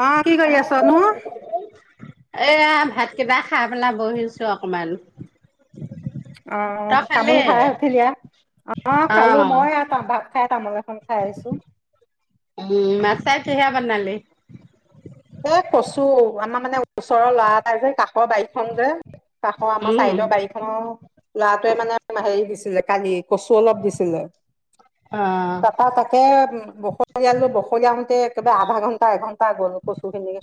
অ কি কৰি আছনো এই ভাতকেইটা খাই পেলাই বহিছোঁ অকমান অ' তই তামোল খালি? খাই উঠিলিয়া অ' খালো মই ভাত খাই তামোল এখন খাই আহিছো উম মাছ কিহে বনালি এ কচু আমাৰ মানে ওচৰৰ ল'ৰা এটাই যে কাষ কাষৰ বাৰিশন যে কাষৰ আমাৰ উম, চাইদৰ বাৰি ল'ৰাটোৱে মানে হেৰি দিছিলে কালি কচু অলপ দিছিল অ', যে ত তাকে উম বখলীয়ালো, বখলিয়াওতে একেবাৰে আধা ঘণ্টা, এঘন্টা গলো কচু খিনিত।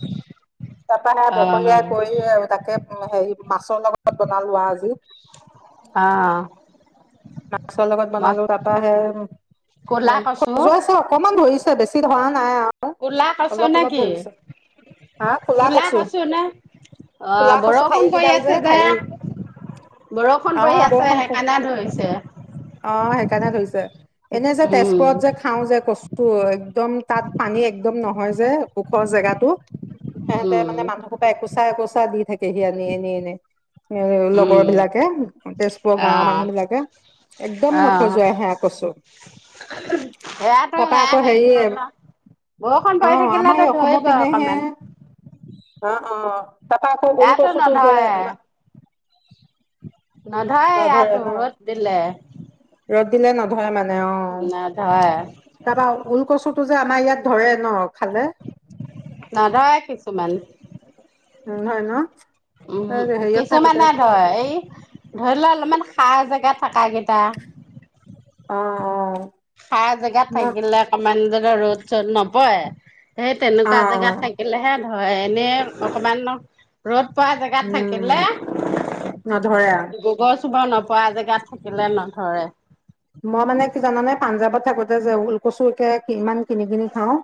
তাপা মই বখলিয়াই অ', কৰি তাকে হেৰি মাছৰ লগত বনালো আৰু আজি। আ মাছৰ লগত বনালো তাপা সে, ক'লা কচু, খজুৱাইছে অকনমান ধৰি বেছি ধৰা নাই আও। কোলা কচু নে কি? হা ক'লা কোলা কচু নে, অ' ক'লা কচু ঠাৰি বৰষুণ পৰি কেইডাল আছে যে। ঠাৰি অ বৰষুণ পৰি আছে বৰষুণ প- সেইকাৰণে ধৰিছে। অ' সেইকাৰণে ধৰিছে, এনে যে উম, তেজপুৰত যে খাওঁ যে কচ তাত পানী একদম নহয় যে ওখৰ জেগাতো। সিহঁতে উম, মানে মানুহখোপা একোচা, একোচা দি থাকে সি আনি আনি এনে। এ লগৰ উম, বিলাকে, তেজপুৰৰ গাঁওৰ অ', মানুহ বিলাকে। একদম অ', নখজুৱাই হেয়া কচু। সেয়াতো তাৰপা সেয়া আকৌ হেৰি হ'ল ন। বৰষুণ অ পৰি আমাৰ এই থাকিলেতো অসমৰ ধৰিবই পিনেহে অকমান। অ' অ' তাপা আকৌ ইয়াতো ওলকচুটো যে আমা। নধৰে। নধৰে ইয়াতো, ৰ'দ দিলে। ৰ'দ দিলে নধৰে মানে অ'। নধৰে তাপা ওলকচুটো যে আমাৰ ইয়াত ধৰে ন, খালে? নধৰে কিছুমান। নধৰে ন। উম, হেৰিয়ত থাকোতে কিছুমানে ধৰে, এই ধৰি লওঁ অলপমান সাৰ জেগা থাকা কেইটা। অ', অ'। সাৰ জেগাত মই থাকিলে অকমান, যত ৰ'দ-চ'দ নপৰে, সেই অ তেনেকুৱা অ জেগাত থাকি। থাকিলেহে ধৰে, এনেই অকমান ৰ'দ পোৱা জেগাত উম থাকিলে, নধৰে আৰু গোবৰ নপৰা জেগাত থাকিলে নধৰে। মই মানে কি জানানে, পাঞ্জাৱত থাকোঁতে যে ওলকচু একে কিমান কিনি কিনি খাওঁ,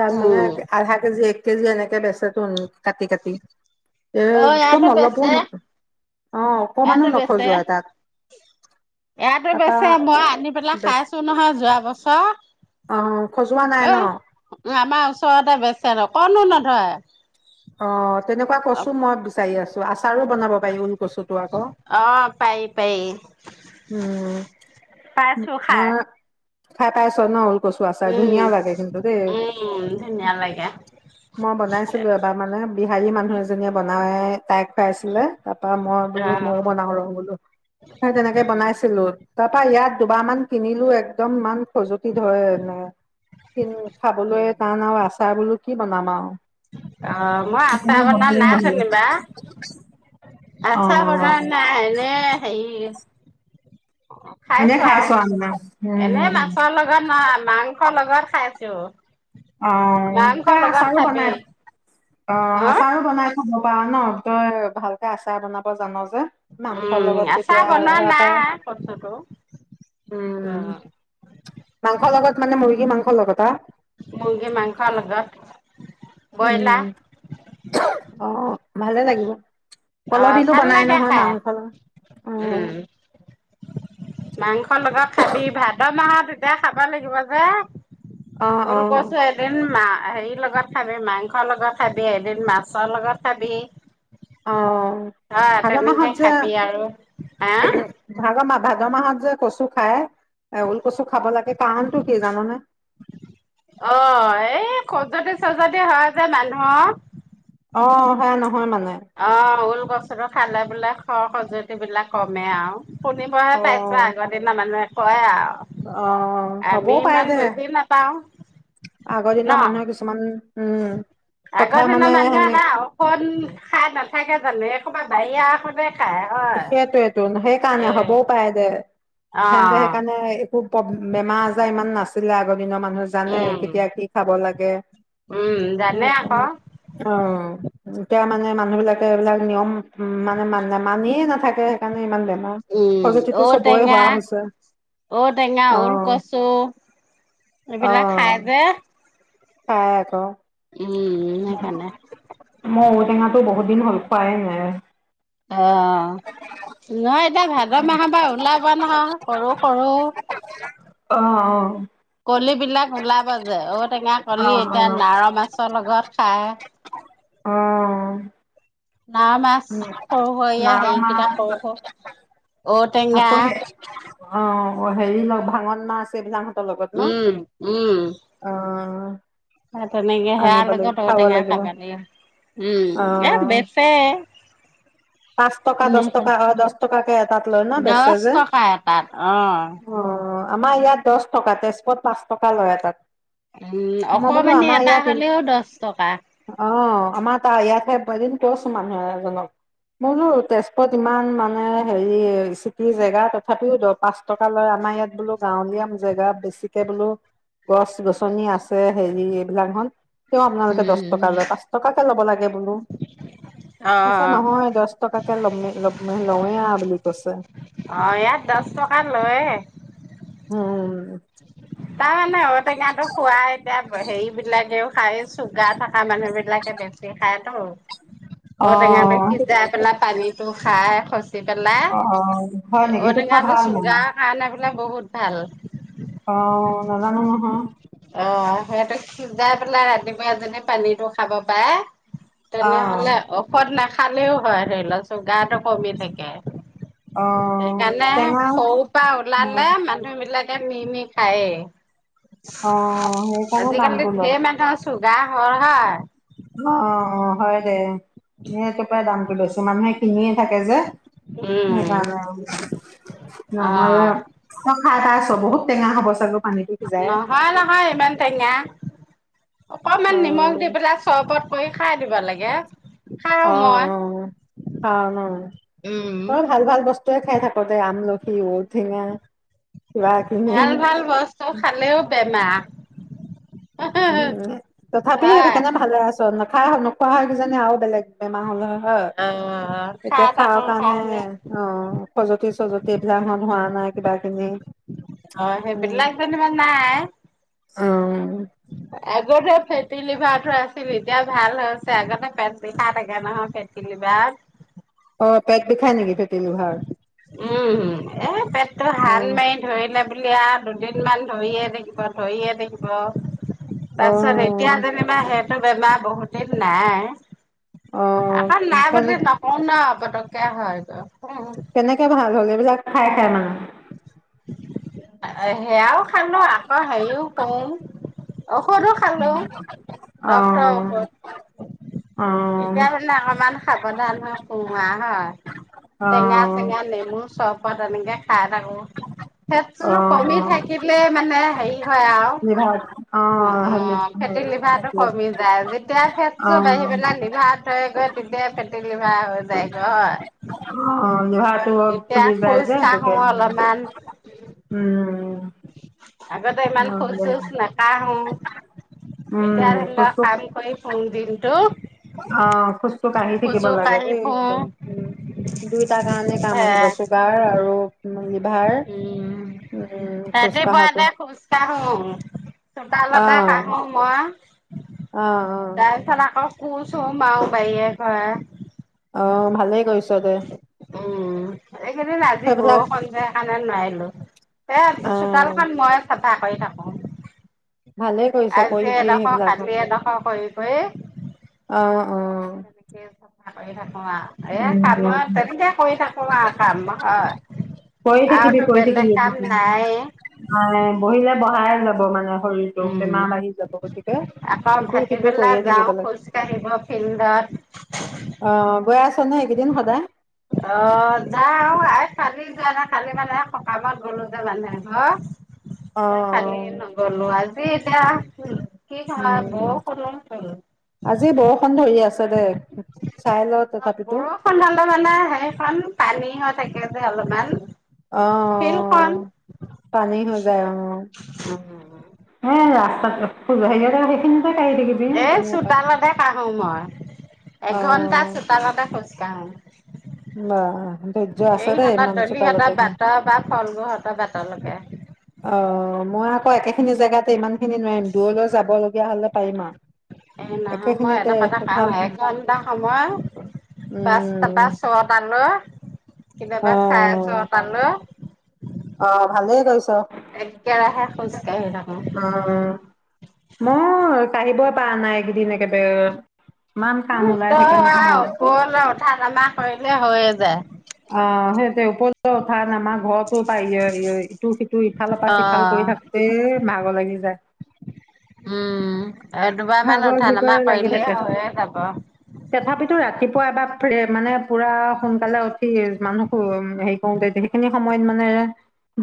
তাত মানে উম আধা কেজি, এক কেজি এনেকে বেচেটোন কাটি কাটি। অ একদম ইয়াতো অলপো বেচে অ অকমানো ইয়াতো বেচে, নখজুৱাই তাত ইয়াতো তাৰপা বেচে, মই আনি পেলাই বেচ খাইছোঁ নহয়, যোৱা বছৰ, অ খজোৱা নাই এ। ন আমাৰ ওচৰতে বেচে, অকনো নধৰে। অ', তেনেকুৱা কচু মই বিচাৰি আছোঁ, আচাৰো বনাব পাৰি ওলকচুটো আক। অ', পাৰি, পাৰি। উম, পাইছো খাই। মই খাই পাইছোঁ ন। কচু আচাৰ, উম ধুনীয়া লাগে কিন্তু দেই। উম ধুনীয়া লাগে মই বনাইছিলোঁ এবাৰ মানে, বিহাৰী মানুহ এজনীয়ে বনাই। তাইক খাইছিলে, তাপা মই অ। বোলো ময়োও বনাওঁ ৰহ বোলো, সে তেনেকে বনাইছিলোঁ। তাপা ইয়াত দুবাৰ মান কিনিলোঁ, একদম ইমান খজুতি ধৰে। খাবলৈ টান আৰু আচাৰ বোলো কি বনাম আৰু? অ', মই আচাৰ বনোৱা নাই যেনিবা। অ আচাৰ বনোৱা নাই, এনে হেৰি এনে খাইছোঁ আও, খাইছো আ এনে উম মাছৰ লগত লগত মা, মাংস লগত খাইছোঁ। অ', তাই আচাৰো খাবি বনাই। অ', হা আচাৰো বনাই। খাব পাৰা ন। তই ভালকে আচাৰ বনাব জান' যে মাংসৰ উম লগত আচাৰ তেতিয়া। বনোৱা ইয়া পাই, নাই কৈছোতো। অ উম। মাংসৰ লগত, মানে মুৰ্গী মাংসৰ লগত আ। মুৰ্গী মাংসৰ লগত। ব্ৰইলাৰ উম। অ'হ। ভালে লাগিব। অ', কলডিলো ভাল বনাই লাগে নহয় খাই, মাংসৰ লগত। অ'হ। উম, মাংসৰ লগত খাবি। ভাদ মাহত তেতিয়া খাব লাগিব যে অ অ ওলকচু এদিন মা, হেৰিৰ লগত খাবি মাংসৰ লগত খাবি। এদিন মাছৰ লগত খাবি। অ'হ। অ', ভাদমাহত তেনেকে যে খাবি আৰু হা ভাদ মাহ -ভাদ মাহত যে কচু খায়, এ ওলকচু খাব লাগে, কাৰণটো কি জান'নে? অ'হ। এই খজুৱতি- চজতি হয় যে মানুহৰ অ'হ। সেয়া নহয় মানে? অ' ওলকচুতো খালে বোলে খৰ-খজুৱতি বিলাক কমে আৰু। শুনিবহে অ পাইছোঁ, আগৰদিনৰ মানুহে কয় আও। অ'হ। হবও পাৰে দে। নাপাও আগৰদিনৰ মানুহে কিছুমান উম কথা মানে আগৰদিনৰ মানুহে সেনে বাও [unintelligible] খাই নাথাকে জানো, এইসোপা বাহিৰা ঔষধে খায়। হয়। সেইটোৱেটোন, সেইকাৰণে এ হ'বও পাৰে দে। অ সিহঁতে সেইকাৰণে খুব কম, বেমাৰ-আজাৰ ইমান নাছিলে আগদিনৰ মানুহ জানে উম কেতিয়া কি খাব লাগে উম জানে অ'হ। আকৌ এতিয়া মানে মানুহবিলাকে এইবিলাক নিয়ম উ মানে নামা মানিয়ে নাথাকে, সেইকাৰণে ইমান বেমাৰ। উম। খজুতিটো চবৰে হোৱা হৈছে ঔটেঙা-ঔটেঙা, অ ওলকচু অ এইবিলাক খাই যে খাই আকৌ উম। সেইকাৰণে মই ঔটেঙাটো বহুত দিন হ'ল, খোৱাই নাই। অ'হ। নহয় এতিয়া ভাদমাহৰ পৰা ওলাব নহয়, সৰু- সৰু অ'হ। অ' কলিবিলাক ওলাব যে- ঔটেঙা অ কলি, অ এতিয়া নাৰ' মাছৰ লগত খায়। অ'হ। নাৰ' মাছ। সৰু হৈ এয়া নাৰ হেৰিকেইটা মাছ সৰু - সৰু ঔটেঙা আকৌ হে- অ' হেৰি ল ভাঙন মাছ এইবিলাক [unintelligible] লগত ন। উম, অ'হ। সেয়া তেনেকে। হেয়া লগত ঔটেঙা খাবা দিয়ে। উম। অ এ বেচে [inaudible] পাঁচ টকা, দছ টকা। অ' দছ টকাকে এটাত লয় ন। দহ বেচে যে টকা এটাত অ'। অ'হ। আমাৰ ইয়াত দছ টকা। তেজপুৰত পাঁচ টকা লয় এটাত। উম। মই বোলো অকমানি আমাৰ এটা ইয়াত হ'লেও দছ টকা। অ' আমাৰ তাৰ, ইয়াতহে। এদিন কৈছো মানুহ এজনক মই বোলো তেজপুৰত ইমান মানে হেৰি চিপিৰি জেগা, তথাপিও পাঁচ টকা লয়। আমাৰ ইয়াত বোলো গাঁৱলীয়া জেগা, বেছিকে বোলো গছ-গছনি আছে, হেৰি এইবিলাকখন। তেওঁ আপোনালোকে দহ টকা উম। লয়। পাঁচ টকাকে ল'ব লাগে বোলো, কৈছে অ', নহয়। দচ টকাকে লম লৱেই আও বুলি কৈছে। অ ইয়াত দশ টকা লয়ে। উম। তাৰমানে ঔটেঙাটো খুৱাই এতিয়া হেৰি বিলাকেও খাই চুগাৰ থকা মানুহ বিলাকে বেছি সেখাইতো। [unintelligible] ঔটেঙাটো অ', সিজাই পেলাই পানীটো খাই। সচ খচি পেলাই, অ', হয় নেকি? সেইটো খোৱা ঔটেঙাটো ভাল মানে চুগাৰ কাৰণে বোলে বহুত ভাল। অ নাজানো নহয়। অ সেহটো সিজাই পেলাই ৰাতিপুৱা পানীটো খাব পাৰে। অ', তেনেহলে ঔষধ নাখালেও হয় ধৰি লওক চুগাৰটো কমি থাকে। অ' সেইকাৰণে টেঙা সৰু পৰা অ', ওলালে মানুহ বিলাকে নি নি খায়েই। অ সেইকাৰণে আজি দামটো কালি লয় ধেৰ মানুহৰ চুগাৰ হয় হা। অ অৱ অৱ হয় দে, সেইটোপাই দামটো লৈছে। মানুহে কিনিয়ে থাকে যে, উম, সেইকাৰণে, নহ'লে অ', তই খাই পাইচ, বহুত টেঙা হ'ব চাগে পানীটো সিজাই! হয় নহয় ইমান টেঙা। অ অকনমান নিমখ দি পেলাই চৰবত কৰি খাই দিব লাগে। অ খাওঁ মই, অৱ অৱ খাও ন, উম, তই ভাল ভাল বস্তু তই খাই থাক দে, আমলখি ঔটেঙা। কিবা কিবি ভাল ভাল বস্তু খালেও বেমা। উম‌ উম, তথাপি সেইকাৰণে ভালে আছ। নাখাই নোখোৱা হয় কিজানি আৰু বেলেগ বেমাৰ হ'ল হয়। হয়, অ', খাৰ এতিয়া খাওঁ তাকৰ কাৰনে। কাৰণে অৱ, খজুৱতি চজতি এইবিলাক হন হোৱা নাই কিবা কিবি। অ সেইবিলাক যেনিবা নাই। উম। আগতে ফেটি লিভাৰতো আছিল এতিয়া ভাল হৈছে আগতে পেট বিষাই থাকে নহয়। ফে- -টি লিভাৰত। অ পেট বি উম উম, এ পেটতো হান অ', মাৰি ধৰিলে বুলি আও দুদিনমান ধৰিয়ে থাকিব ধৰিয়ে থাকিব। তাৰ পিছত এতিয়া অ', যেনিবা সেইটো বেমাৰ বহুত দিন নাই। অ', আকৌ নাই কেনে বুলি নকওঁ ন পতককে হয়। কেনেকে ভাল হ'ল, এইবিলাক খাই খাই মানুহ? সেয়াও খালো নহয়, আকৌ হেৰিও কওঁ। ঔষধো খালো, ডাক্তৰৰ অ', ঔষধ। অ', এতিয়া মানে অকমান সাৱধান হৈ ফুৰো আৰু হয়। টেঙা অ', চেঙা নেমু চৰবত এনেকে খাই থাকো। [inaudible] ফেটছটো কমি অ', থাকিলে মানে হেৰি হয় আও, লিভাৰ উম অ', হেৰি অৱ হেৰি ফেটি লিভাৰটো সেইটোৱে কমি যায়। যেতিয়া ফেটচতো বাঢ়ি অ', পেলাই লিভাত ধৰে গৈ তেতিয়াই ফেটি লিভাৰ হৈ যায়গৈ হয়। অ লিভাৰ ঘৰত এতিয়া খোলিবা খোজ যে সেইটো কাঢ়ো কাৰণে অলপমান উম উম [unintelligible] আগতে ইমান খোজ অ', চোজ নাকাঢ়ো এতিয়া উম, ধৰি লওক খোজটো কাম কৰি ফুৰোং দিনটো অ খোজ টো কাঢ়ি থাকিব খোজো লাগে কাঢ়ি দেই ফুৰো একদম উম দুইটাৰ কাৰণে কাম আহিব সেয়াই চু চুগাৰ আৰু উম লিভাৰ উম। উম, খোজ কঢ়াটো ৰাতিপুৱাতে খোজ কাঢ়োং চোতালতে অ', কাঢ়ো মই অ অ তাৰ পিছত আকৌ কোৰ চোৰ মাৰো বাৰীয়ে ঘৰে অ ভালেই কৰিছ দে। উম এইকেইদিন আজি সেইবিলাক বৰষুণ যে সেইকাৰণে নোৱাৰিলো সেয়া অ', চোতালখন মই চাফা কৰি থাকো ভালেই কৰিছ আজি কৰিবি এডোখৰ সেইবিলাক কালি এডোখৰ কৰি কৰি অ অ তেনেকে চফা কৰি থাকো আও এ উম, কাম তেনেকে কৰি থাকো আও কাম হয় কৰি আৰুতো বেলেগ কাম নাই নাই বহিলে বহাই যাব মানে শৰীৰটো উম বেমাৰ বাঢ়ি যাব গতিকে আকৌ ইটো সিটো ভাটিবেলা কৰিয়ে থাকিব যাওঁ লাগে খোজ কাঢ়িব ফিল্ডত অ গৈ আছনে এইকেইদিন সদায় অ যাও আই কালি যোৱা নাই কালি মানে সকামত গলো যে মানুহ এঘৰৰ অ', সেই কালি অ'। নগলো আজি এতিয়া কি খাই উম, বৰষুণো চোন আজি বৰষুণ ধেৰি আছে দে চাই ল নহয় তথাপিতো বৰষুণ হ'লে মানে সেইখন পানী হৈ থাকে যে অলপমান অ', ফিল্ডখন অ', পানী হৈ উম সেই ৰাস্তাতো হেৰিয়তে সেইখিনিতে কাঢ়ি থাকিম এই চোতালতে কাঢ়ো মই এঘন্টা অ', চোতালতে খোজকাঢ়ো। বা ধৈৰ্য্য আছে এই দেই ইহঁতৰ ইমান চোতালত দলিহঁতৰ এইখন। বাটৰ পৰা ফগ্লোহঁতৰ বাটৰলকে। অ মই আকৌ একেখিনি জেগাতে ইমান খিনি নোৱাৰিম, দূৰলৈ যাবলগীয়া হলে পাৰিম আও এ, নহয় মই এডোখৰতে কাঢ়ো একঘন্টা সময় পাঁচটা পা উম, ছটালৈ কেতিয়াবা চাৰে ছটালৈ। অহ, ভালেই কৰিছ একেৰাহে খোজ কাঢ়ি থাকো। উম। মই কাঢ়িবই পৰা নাই এইকেইদিন একেবাৰে। ইমান উম কাম ওলাই তই থাকে সেয়া নহয়। অকলে উঠা-নমা কৰিলে হৈয়ে যায়। অ সেইটোৱে ওপৰলে উঠা নমা। ঘৰৰতো পৰা [unintelligible] ইটো-সিটো ইফালৰ পৰা সিফাল কৰি অ', থাকোঁতেই ভাগৰ লাগি যায়। উম এ দুবাৰমান ভাগৰ উঠা ভিগৰে নমা লাগি কৰিলে থাকে হৈয়ে যাব। তথাপিতো ৰাতিপুৱা এবাৰ ফ্ৰে মানে পুৰা সোনকালে উঠি মানুহ হেৰি কৰোতে সেই সেইখিনি সময়ত মানে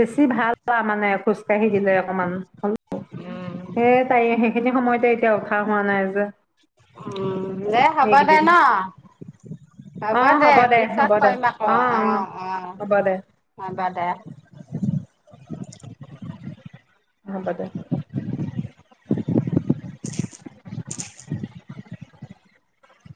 বেছি ভাল আও মানে খোজ কাঢ়ি দিলে অকমান উম উম, এ, তাইয়ে সেইখিনি সময়তে এতিয়া উঠা হোৱা নাই যে। উম, দে হ'ব দে এইকেইদিন ন? হ'ব অঁ দে, পিছত হ'ব দে কৰিম আকৌ। অঁ অঁ অ', অ', হ'ব দে হ'ব দে। হ'ব দে।